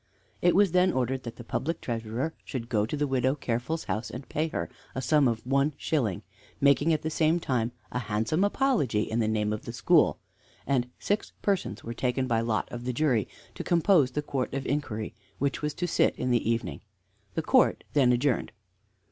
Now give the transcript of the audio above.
It was then ordered that the Public Treasurer should go to the Widow Careful's house, and pay her a sum of one shilling, making at the same time a handsome apology in the name of the school; and six persons were taken by lot of the jury to compose the Court of Inquiry, which was to sit in the evening. The Court then adjourned.